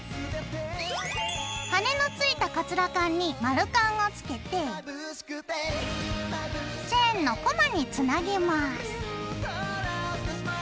羽根のついたカツラカンに丸カンをつけてチェーンのコマにつなげます。